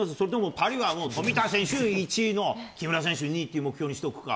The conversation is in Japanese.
パリは富田選手１位の木村選手２位っていう目標にしておくか。